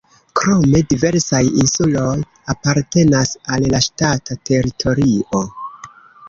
Krome diversaj insuloj apartenas al la ŝtata teritorio.